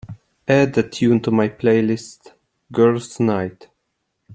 Add a tune to my playlist girls' night